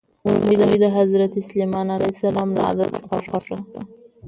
مرغۍ د حضرت سلیمان علیه السلام له عدل څخه خوښه شوه.